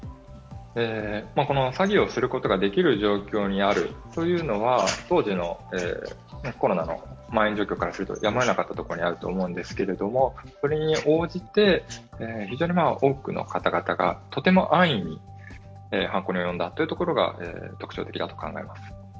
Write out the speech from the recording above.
詐欺をすることができる状況にある、というのは、当時のコロナのまん延状況からするとやむをえなかったと思うんですけどそれに応じて非常に多くの方々がとても安易に犯行に及んだというのが特徴的だと考えます。